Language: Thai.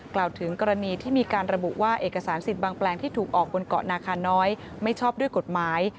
กล่าวถึงกรณีที่มีการระบุว่าเอกสารสิทธิ์บางแปลงที่ถูกออกบนเกาะนาคาน้อยไม่ชอบด้วยกฎหมาย